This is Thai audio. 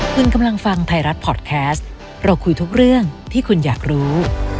คุณกำลังฟังไทยรัฐพอร์ตแคสต์เราคุยทุกเรื่องที่คุณอยากรู้